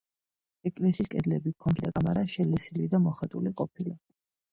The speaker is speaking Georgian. ეკლესიის კედლები, კონქი და კამარა შელესილი და მოხატული ყოფილა.